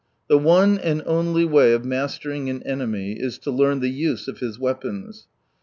— The one and only way of mastering an enemy is to learn the use of his weapons.